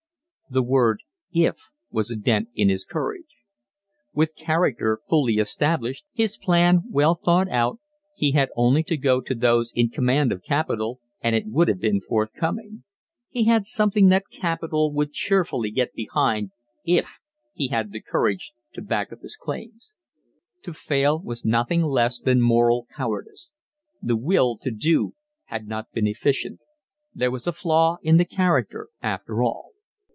The word "if" was a dent in his courage. With character fully established, his plan well thought out, he had only to go to those in command of capital and it would have been forthcoming. He had something that capital would cheerfully get behind if he had the courage to back up his claims. To fail was nothing less than moral cowardice. The will to do had not been efficient. There was a flaw in the character, after all.